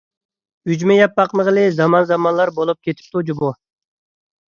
ئۈجمە يەپ باقمىغىلى زامان-زامانلار بولۇپ كېتىپتۇ جۇمۇ.